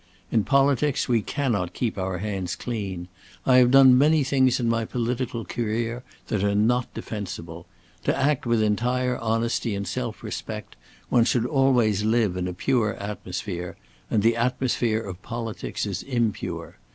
In politics we cannot keep our hands clean. I have done many things in my political career that are not defensible. To act with entire honesty and self respect, one should always live in a pure atmosphere, and the atmosphere of politics is impure.